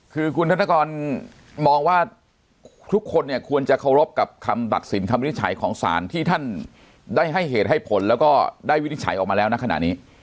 คือคุณธนกรมองว่าทุกคนเนี่ยควรจะเคารพกับคำตัดสินคำวินิจฉัยของสารที่ท่านได้ให้เหตุให้ผลแล้วก็ได้วินิจฉัยออกมาแล้วนะขณะนี้